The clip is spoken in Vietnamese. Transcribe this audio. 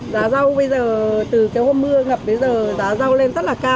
giá rau bây giờ từ cái hôm mưa ngập đến giờ giá rau lên rất là cao